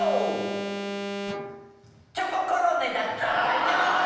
チョココロネだったんだよ！